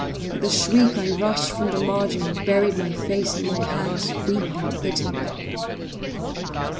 With a shriek, I rushed from the margin, and buried my face in my hands—weeping bitterly.